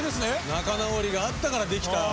仲直りがあったからできた。